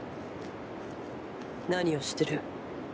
何をしてる？